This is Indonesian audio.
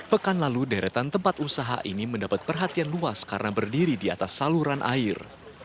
pekan lalu deretan tempat usaha ini mendapat perhatian luas karena berdiri di atas saluran air